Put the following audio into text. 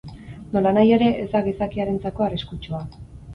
Nolanahi ere, ez da gizakiarentzako arriskutsua.